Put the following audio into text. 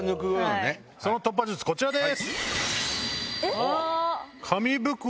その突破術こちらです。